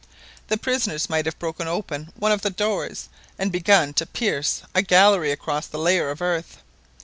The prisoners might have broken open one of the doors and begun to pierce a gallery across the layer of earth.